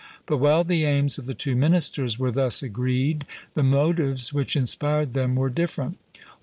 But while the aims of the two ministers were thus agreed, the motives which inspired them were different.